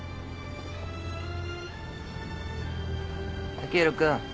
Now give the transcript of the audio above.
剛洋君。